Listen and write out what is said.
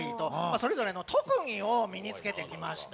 それぞれの特技を身につけてきました。